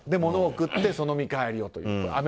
物を送ってその見返りをということ。